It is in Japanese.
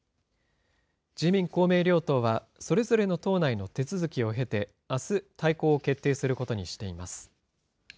自民、公明両党は、それぞれの党内の手続きを経て、あす、大綱を決定することにしています。